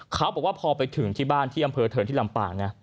เขาบอกว่าพอไปถึงที่บ้านที่อำเภอเทิงที่ลำปางนะ